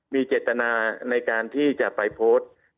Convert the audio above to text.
มีเจตนาในการที่จะไปโพสต์